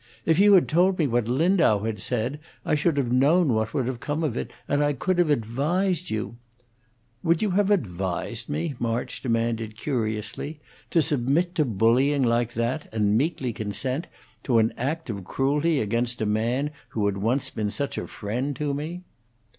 If you had told me what Lindau had said, I should have known what would have come of it, and I could have advised you " "Would you have advised me," March demanded, curiously, "to submit to bullying like that, and meekly consent to commit an act of cruelty against a man who had once been such a friend to me?"